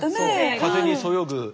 風にそよぐよね。